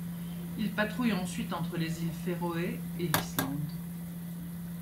Il patrouille ensuite entre les îles Féroé et l'Islande.